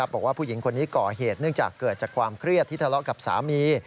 บอกว่าผู้หญิงคนนี้ก่อเหตุเนื่องจากเกิดจากความเครียดที่ทะเลาะกับสามี